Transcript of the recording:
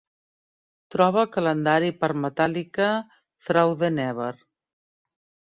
Troba el calendari per Metallica "Through the Never".